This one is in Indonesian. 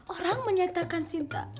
orang menyatakan cinta